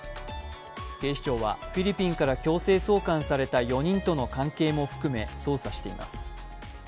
警視庁はフィリピンから強制送還された４人との関係も含め捜査しています。